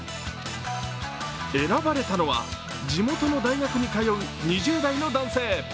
選ばれたのは地元の大学に通う２０代の男性。